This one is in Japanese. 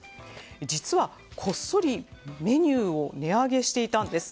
実は、こっそりメニューを値上げしていたんです。